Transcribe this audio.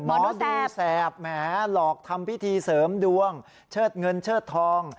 หมอดูแสบแหมหลอกทำพิธีเสริมดวงเชิดเงินเชิดทอง